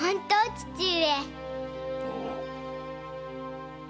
父上。